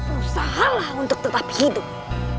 usahalah untuk tetap hidup